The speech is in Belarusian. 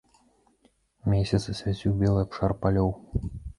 Месяц асвяціў белы абшар палёў.